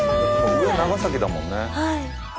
上長崎だもんね。